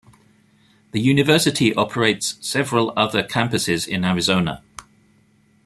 The university operates several other campuses in Arizona.